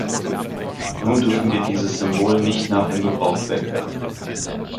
Nun dürfen wir dieses Symbol nicht nach dem Gebrauch wegwerfen.